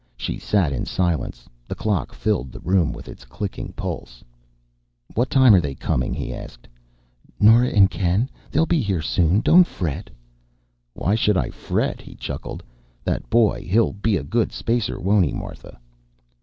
She sat in silence. The clock filled the room with its clicking pulse. "What time are they coming?" he asked. "Nora and Ken? They'll be here soon. Don't fret." "Why should I fret?" He chuckled. "That boy he'll be a good spacer, won't he, Martha?"